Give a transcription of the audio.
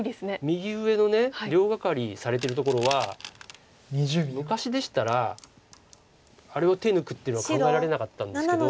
右上の両ガカリにされてるところは昔でしたらあれを手抜くっていうのは考えられなかったんですけど。